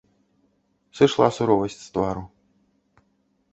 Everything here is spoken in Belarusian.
Сышла суровасць з твару.